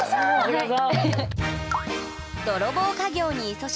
どうぞ。